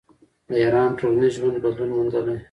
د ایران ټولنیز ژوند بدلون موندلی.